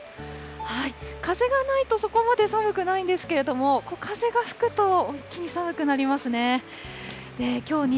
風がないとそこまで寒くないんですけれども、風が吹くと、